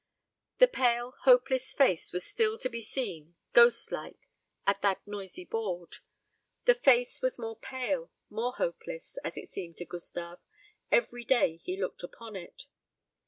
The pale hopeless face was still to be seen, ghost like, at that noisy board. The face was more pale, more hopeless, as it seemed to Gustave, every day he looked upon it.